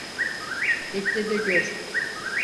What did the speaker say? Bekle de gör.